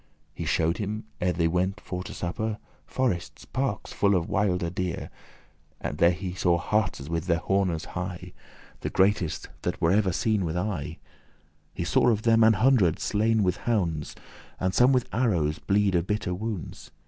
He shewed him, ere they went to suppere, Forestes, parkes, full of wilde deer. There saw he hartes with their hornes high, The greatest that were ever seen with eye. He saw of them an hundred slain with hounds, And some with arrows bleed of bitter wounds.